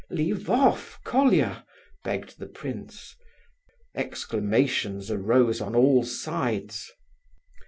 "Leave off, Colia," begged the prince. Exclamations arose on all sides.